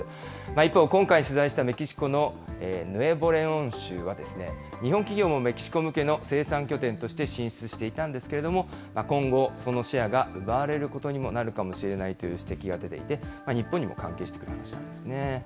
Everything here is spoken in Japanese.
一方、今回取材したメキシコのヌエボ・レオン州は、日本企業もメキシコ向けの生産拠点として進出していたんですけれども、今後、そのシェアが奪われることにもなるかもしれないという指摘が出ていて、日本にも関係してくる話なんですね。